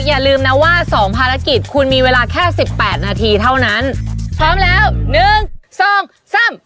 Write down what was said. อย่าลืมนะว่าสองภารกิจคุณมีเวลาแค่สิบแปดนาทีเท่านั้นพร้อมแล้วหนึ่งสองสาม